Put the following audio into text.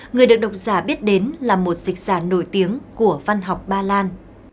người được độc giả biết đến là một dịch giả nổi tiếng của văn học ba lan